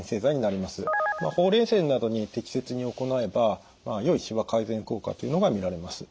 ほうれい線などに適切に行えばよいしわ改善効果というのが見られます。